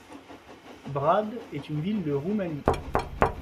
Brad est une ville de Roumanie.